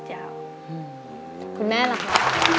ขอบคุณแม่นะครับ